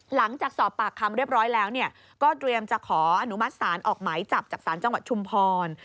หลังจากสอบปากคำเรียบร้อยแล้วเนี่ยก็เตรียมจะขออนุมัติศาลออกหมายจับจากศาลจังหวัดชุมพร